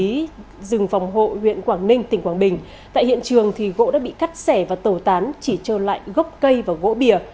ban quản lý rừng phòng hộ huyện quảng ninh tỉnh quảng bình tại hiện trường thì gỗ đã bị cắt sẻ và tổ tán chỉ cho lại gốc cây và gỗ bìa